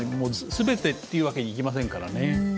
全てというわけにはいきませんからね。